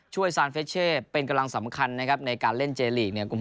ช่วยซานเฟชเช่เป็นกำลังสำคัญในการเล่นเจลียน